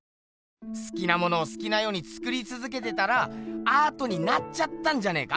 すきなものをすきなようにつくりつづけてたらアートになっちゃったんじゃねえか？